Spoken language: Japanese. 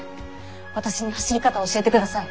私に走り方を教えてください。